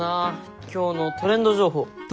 今日のトレンド情報。